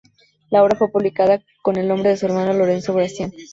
La obra fue publicada con el nombre de su hermano Lorenzo Gracián.